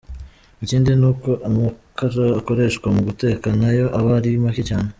Ikindi n’uko amakara akoreshwa mu guteka na yo aba ari make cyane.